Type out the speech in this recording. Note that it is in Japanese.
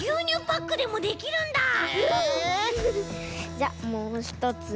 じゃもうひとつも。